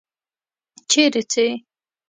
چیرې څې؟